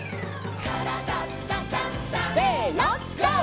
「からだダンダンダン」せのＧＯ！